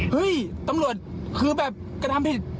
เฮ้ยตำรวจคือแบบกระทำผิด